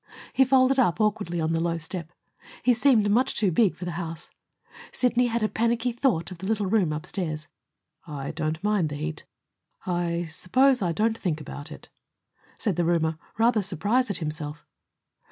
He folded up awkwardly on the low step. He seemed much too big for the house. Sidney had a panicky thought of the little room upstairs. "I don't mind heat. I I suppose I don't think about it," said the roomer, rather surprised at himself.